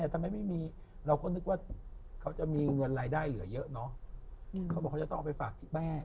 แต่ทำไมไม่มีเราก็นึกว่าเขาจะมีเงินรายได้เหลือเยอะเนอะเขาบอกเขาจะต้องเอาไปฝากที่แม่